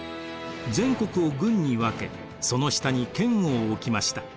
全国を郡に分けその下に県を置きました。